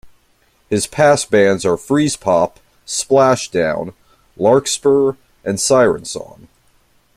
His past bands are Freezepop, Splashdown, Larkspur, and Sirensong.